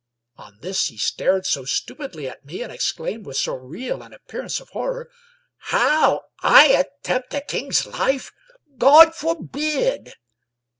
" On this he stared so stupidly at me, and exclaimed with so real an appearance of horror :" How ? I attempt the king's life? God forbid!